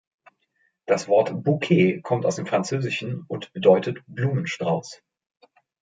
Das Wort Bouquet kommt aus dem Französischen und bedeutet Blumenstrauß.